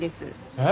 えっ？